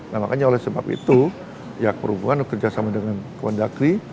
nah makanya oleh sebab itu ya kerja sama dengan kewan dagri